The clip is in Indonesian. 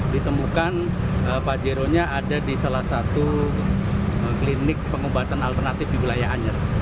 ditemukan pajeronya ada di salah satu klinik pengobatan alternatif di wilayah anyer